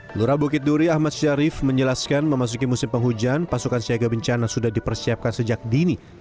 kelurahan bukit duri ahmad syarif menjelaskan memasuki musim penghujan pasukan siaga bencana sudah dipersiapkan sejak dini